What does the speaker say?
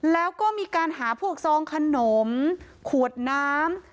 แล้วก็มีการหาพวกซองขนมขวดน้ำ